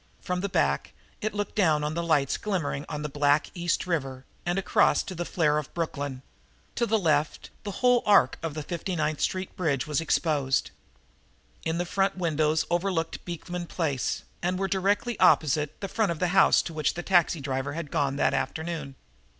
From the back it looked down on the lights glimmering on the black East River and across to the flare of Brooklyn; to the left the whole arc of the Fifty ninth Street Bridge was exposed. In front the windows overlooked Beekman Place and were directly opposite, the front of the house to which the taxi driver had gone that afternoon.